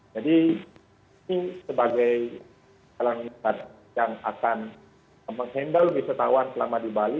jadi ini sebagai orang yang akan mengendal wisatawan selama di bali